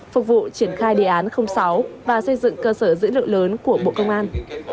phục vụ triển khai đề án sáu và xây dựng cơ sở dữ liệu lớn của bộ công an